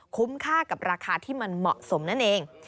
คุ้มค่ากับราคาที่มันเหมาะสมนั่นเอง